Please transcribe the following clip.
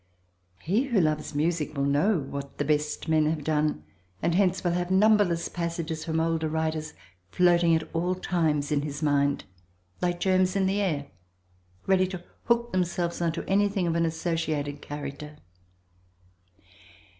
He who loves music will know what the best men have done, and hence will have numberless passages from older writers floating at all times in his mind, like germs in the air, ready to hook themselves on to anything of an associated character.